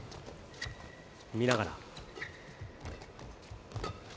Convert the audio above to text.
見ながら。